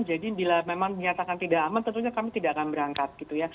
jadi bila memang dinyatakan tidak aman tentunya kami tidak akan berangkat